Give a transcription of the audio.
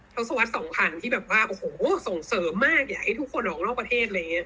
แล้วสวัสดิ์๒๐๐๐ที่แบบว่าโอ้โหส่งเสริมมากอยากให้ทุกคนออกนอกประเทศ